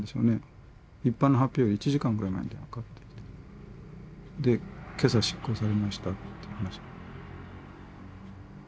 一般の発表より１時間ぐらい前に電話がかかってきてで今朝執行されましたって話で。